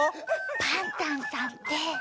パンタンさんって。